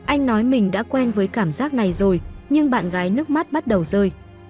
anh nói mình đã quen với cảm giác này rồi nhưng bạn gái nước mắt bắt đầu rơi